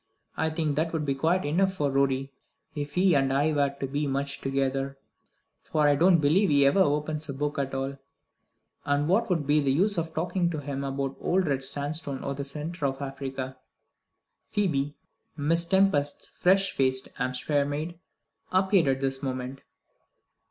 I think that would be quite enough for Rorie, if he and I were to be much together; for I don't believe he ever opens a book at all. And what would be the use of my talking to him about old red sandstone or the centre of Africa?" Phoebe, Miss Tempest's fresh faced Hampshire maid, appeared at this moment.